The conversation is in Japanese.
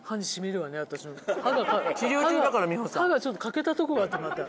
歯がちょっと欠けたところがあってまた。